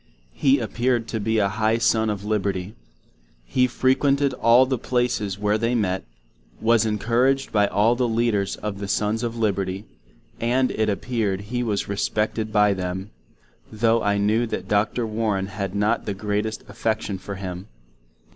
He appeared to be a high son of Liberty. He frequented all the places where they met, Was incouraged by all the leaders of the Sons of Liberty, and it appeared he was respected by them, though I knew that Dr. Warren had not the greatest affection for him.